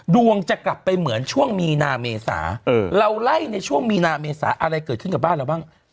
ดวงจะกลับไปเหมือนช่วงมีนาเมษาเราไล่ในช่วงมีนาเมษาอะไรเกิดขึ้นกับบ้านเราบ้าง